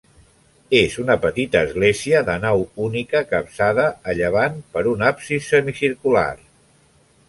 És una petita església de nau única capçada a llevant per un absis semicircular.